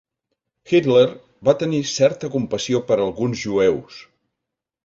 Hitler va tenir certa compassió per alguns jueus.